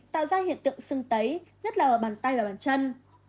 tạo ra hiện tượng sưng tấy nhất là ở bàn tay và bàn chân